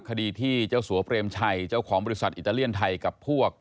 คดีที่เจ้าสัวเปรมชัยเจ้าของบริษัทอิตาเลียนไทยกับพวก